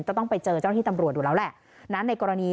ก็ต้องไปเจอเจ้าอาทิตย์ตำรวจอยู่แล้วนั้นในกรณี